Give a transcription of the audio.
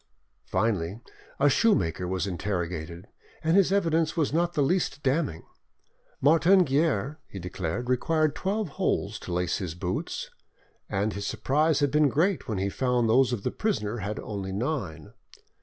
Finally, a shoemaker was interrogated, and his evidence was not the least damning. Martin Guerre, he declared, required twelve holes to lace his boots, and his surprise had been great when he found those of the prisoner had only nine.